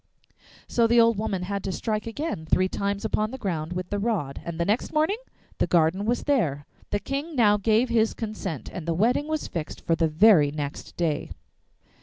So the old woman had to strike again three times upon the ground with the rod, and the next morning the garden was there. The King now gave his consent, and the wedding was fixed for the very next day.